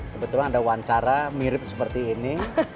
kebetulan ada wawancara mirip seperti ini